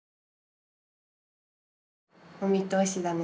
お見通しだね。